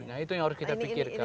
nah itu yang harus kita pikirkan